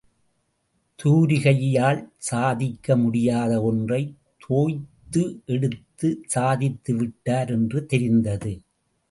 தூரிகையால் சாதிக்க முடியாத ஒன்றை தோய்த்து எடுத்து சாதித்துவிட்டார் என்று தெரிந்தது.